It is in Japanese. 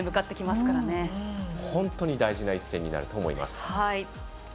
本当に大事な一戦になると思います。